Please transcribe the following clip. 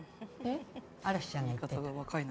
嵐ちゃんが言ってた。